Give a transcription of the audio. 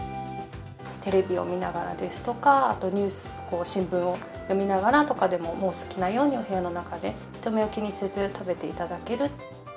テレビを見ながらですとか、あとニュース、新聞を読みながらとかでも、お好きなようにお部屋の中で、人目を気にせず食べていただける。